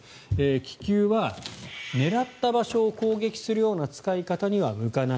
気球は狙った場所を攻撃するような使い方には向かない。